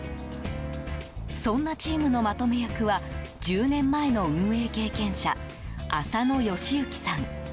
そんなチームのまとめ役は１０年前の運営経験者浅野喜之さん。